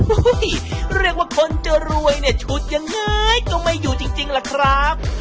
โอ้โหเรียกว่าคนจะรวยเนี่ยชุดยังไงก็ไม่อยู่จริงล่ะครับ